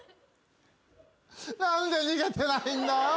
何で逃げてないんだよ。